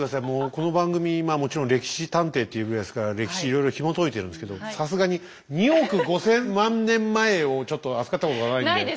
もうこの番組まあもちろん「歴史探偵」っていうぐらいですから歴史いろいろひもといてるんですけどさすがに２億５千万年前をちょっと扱ったことがないんで。